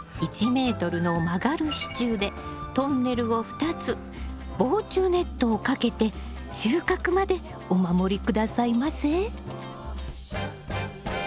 １ｍの曲がる支柱でトンネルを２つ防虫ネットをかけて収穫までお守り下さいませ。